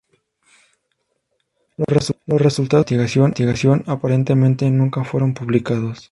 Los resultados de la investigación aparentemente nunca fueron publicados.